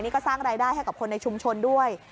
นี่ก็สร้างรายได้ให้กับคนในชุมชนด้วย